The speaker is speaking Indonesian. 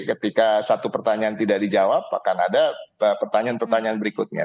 ketika satu pertanyaan tidak dijawab akan ada pertanyaan pertanyaan berikutnya